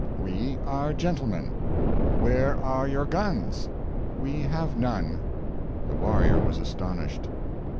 "We are gentlemen." "Where are your guns?" "We have none." The warrior was astonished.